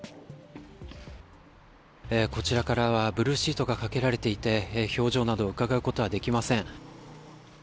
こちらからはブルーシートがかけられていて表情などうかがうことはできません。